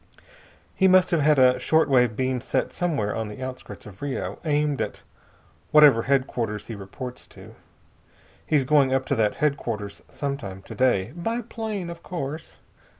He must have had a short wave beam set somewhere on the outskirts of Rio, aimed at whatever headquarters he reports to. He's going up to that headquarters some time to day, by plane, of course.